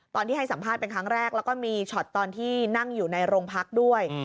ตอนที่ให้สัมภาษณ์เป็นครั้งแรกแล้วก็มีช็อตตอนที่นั่งอยู่ในโรงพักด้วย